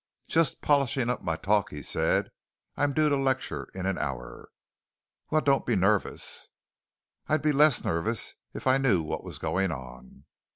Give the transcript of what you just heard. "Just polishing up my talk," he said. "I'm due to lecture in an hour." "Well, don't be nervous." "I'd be less nervous if I knew what was going on."